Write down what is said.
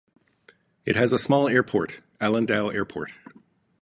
It has a small airport, Alindao Airport.